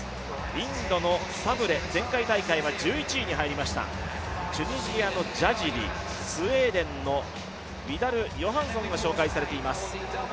インドのサブレ、前回大会は１１位に入りましたチュニジアのジャジリ、スウェーデンのビダル・ヨハンソンが紹介されています。